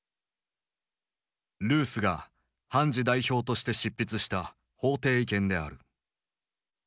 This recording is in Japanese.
ルースが判事代表として執筆した法廷意見である。